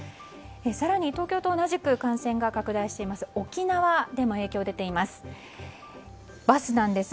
更に東京と同じく感染が拡大している沖縄でも影響出ています。